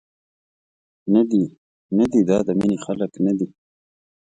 ندي، ندي دا د مینې خلک ندي.